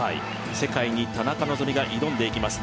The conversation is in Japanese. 世界に田中希実が挑んでいきます